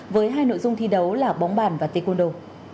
với hai nội dung thi đấu là bóng bàn và tê cuôn đồ